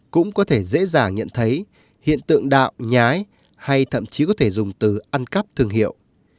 cũng có thể dễ dàng nhận thấy hiện tượng đạo nhái hay thậm chí có thể dùng từ ăn cắp thương hiệu